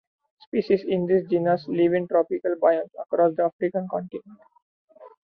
Species in this genus live in tropical biomes across the African continent.